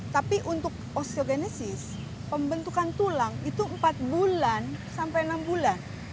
tapi untuk osteogenesis pembentukan tulang itu empat bulan sampai enam bulan